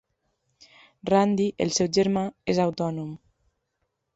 Randy, el seu germà, és autònom.